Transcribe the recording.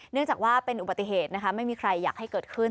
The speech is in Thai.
เนื่องจากว่าเป็นอุบัติเหตุนะคะไม่มีใครอยากให้เกิดขึ้น